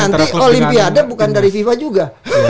nanti olimpiade bukan dari fifa juga